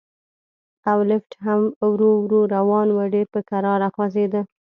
او لفټ هم ورو ورو روان و، ډېر په کراره خوځېده.